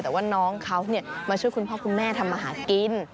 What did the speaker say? แต่ว่าน้องเขามาช่วยคุณพ่อคุณแม่ทำมาหากิน